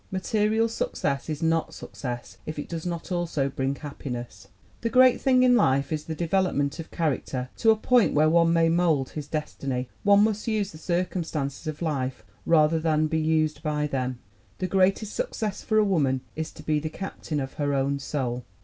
Material success is not success if it does not also bring happiness. "The great thing in life is the development of character to a point where one may mold his destiny. ELLEN GLASGOW 31 One must use the circumstances of life rather than be used by them. The greatest success for a woman is to be the captain of her own soul.